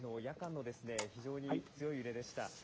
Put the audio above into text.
夜間の非常に強い揺れでした。